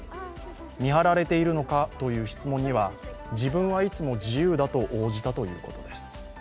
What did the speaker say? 見張られているのかという質問には、自分はいつも自由だと応じたということです。